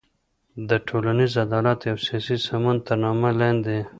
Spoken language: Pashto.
د ټولنیز عدالت او سیاسي سمون تر نامه لاندې